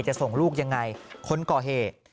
จะส่งลูกยังไงคนก่อเหตุ